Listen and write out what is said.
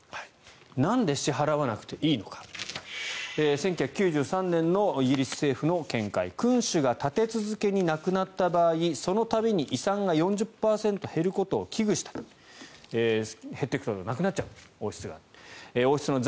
なんで支払わなくていいのか１９９３年のイギリス政府の見解君主が立て続けに亡くなった場合その度に遺産が４０％減ることを危惧した減っていくと、なくなっちゃう王室が。